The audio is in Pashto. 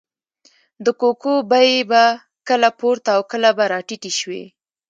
د کوکو بیې به کله پورته او کله به راټیټې شوې.